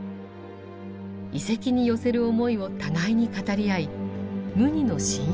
遺跡に寄せる思いを互いに語り合い無二の親友となりました。